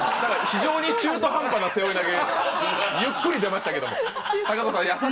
非常に中途半端な背負い投げ、ゆっくりいきました。